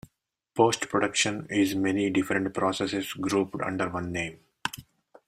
Post-production is many different processes grouped under one name.